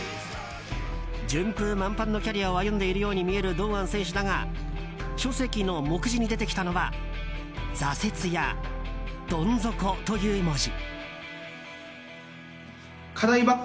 順風満帆のキャリアを歩んでいるように見える堂安選手だが書籍の目次に出てきたのは「挫折」や「どん底」という文字。